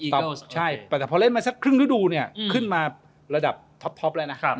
ใช่แต่พอเล่นมาสักครึ่งฤดูเนี่ยขึ้นมาระดับท็อปแล้วนะ